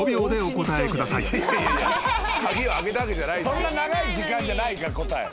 そんな長い時間じゃないから答え。